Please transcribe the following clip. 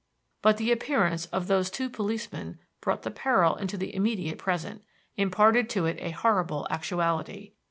But the appearance of those two policemen brought the peril into the immediate present, imparted to it a horrible actuality.